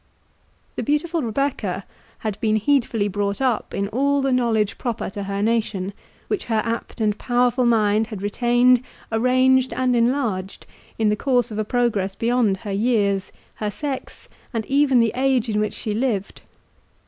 The beautiful Rebecca had been heedfully brought up in all the knowledge proper to her nation, which her apt and powerful mind had retained, arranged, and enlarged, in the course of a progress beyond her years, her sex, and even the age in which she lived.